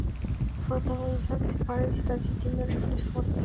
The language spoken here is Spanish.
Francotirador: dispara a distancia y tiene rifles fuertes.